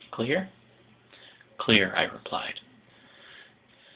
Clear?" "Clear," I replied.